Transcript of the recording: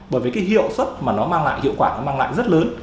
bởi vì cái hiệu suất mà nó mang lại hiệu quả nó mang lại rất lớn